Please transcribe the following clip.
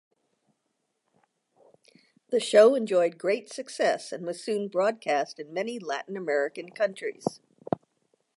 The show enjoyed great success and was soon broadcast in many Latin American countries.